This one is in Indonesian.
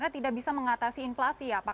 tidak bisa mengatasi inflasi ya pak